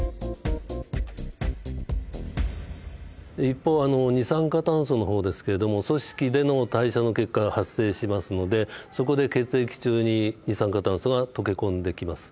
一方二酸化炭素の方ですけれども組織での代謝の結果発生しますのでそこで血液中に二酸化炭素が溶け込んできます。